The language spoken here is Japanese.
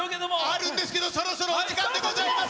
あるんですけど、そろそろお時間でございます。